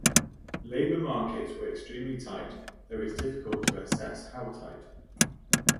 Labor markets were extremely tight, though it was difficult to assess how tight.